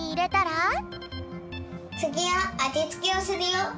つぎはあじつけをするよ。